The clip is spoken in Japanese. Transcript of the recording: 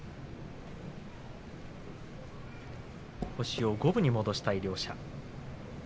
星を五分に戻したい両者。